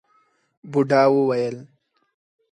بوډا وويل: